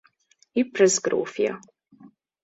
Ypres grófja.